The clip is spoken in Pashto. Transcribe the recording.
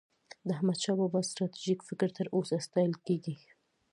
د احمدشاه بابا ستراتیژيک فکر تر اوسه ستایل کېږي.